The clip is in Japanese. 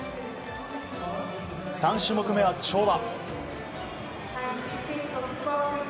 ３種目めは、跳馬。